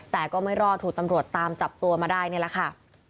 แต่ก็ไม่รอดถูกตำรวจตามจับตัวมาได้นี่แหละค่ะ